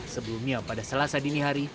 sebelumnya pada selasa dini hari